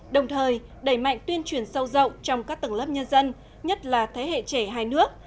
đồng thời đẩy mạnh tuyên truyền sâu rộng trong các tầng lớp nhân dân nhất là thế hệ trẻ hai nước